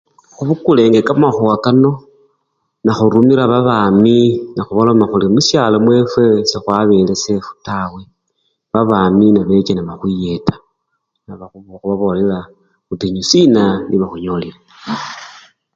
Khubukulenga kamakhuwa kano nekhurumura babami nekhubaloma khuri mushalo mwefwe sekhwabele sefu taa, babami nebecha nebakhuyeta nekhubabolela butinyu siina nibwo khunyolile.